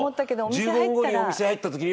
１５分後にお店入った時には。